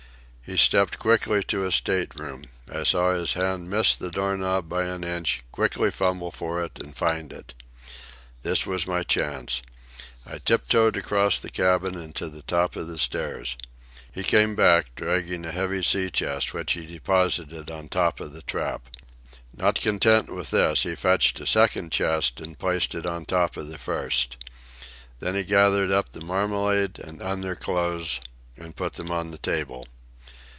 He stepped quickly to his state room. I saw his hand miss the door knob by an inch, quickly fumble for it, and find it. This was my chance. I tiptoed across the cabin and to the top of the stairs. He came back, dragging a heavy sea chest, which he deposited on top of the trap. Not content with this he fetched a second chest and placed it on top of the first. Then he gathered up the marmalade and underclothes and put them on the table.